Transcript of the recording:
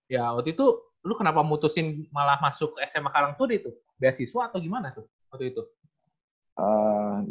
ya waktu itu lu kenapa mutusin malah masuk sma karangtudi tuh beasiswa atau gimana tuh waktu itu